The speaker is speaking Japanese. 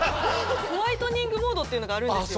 ホワイトニングモードっていうのがあるんですよ。